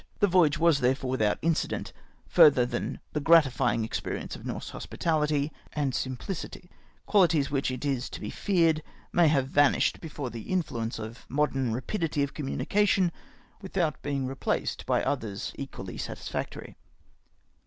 The voyage was, therefore, without incident, further than the gratifying experience of Norse hospitahty and simphcity ; quahties which, it is to be feared, may have vanished before the influence of modern rapidity of communication, without being replaced by others equally satisfactory.